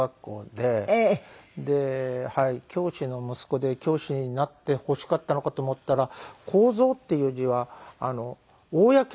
で教師の息子で教師になってほしかったのかと思ったら「公造」っていう字は公を造るって書くんですけど。